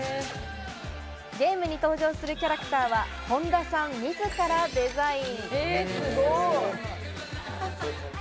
ゲームに登場するキャラクターは本田さん自らデザイン。